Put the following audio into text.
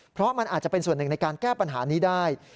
เพราะมันอาจจะเป็นส่วนหนึ่งในการแก้ปัญหานี้ได้